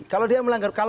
kalau dia melanggar